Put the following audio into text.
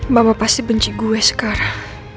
mama pasti benci gue sekarang